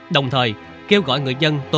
đồng thời kêu gọi người dân để đối tượng sẽ lùi tới